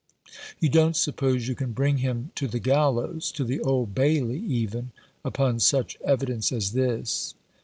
"You don't suppose you can bring him to the gallows — to the Old Bailey, even — upon such evidence as this